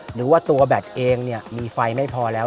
หรือว่าตัวแบตเองมีไฟไม่พอแล้ว